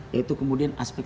yaitu kemudian aspek